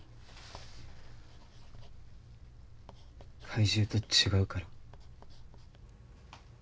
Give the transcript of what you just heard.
怪獣と違うから。